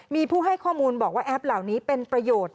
มีผู้ให้ข้อมูลบอกว่าแอปเหล่านี้เป็นประโยชน์